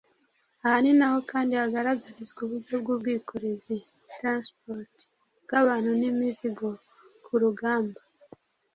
Aha ninaho kandi hagaragarizwa uburyo bw’ubwikorezi (transport) bw’abantu n’imizigo ku rugamba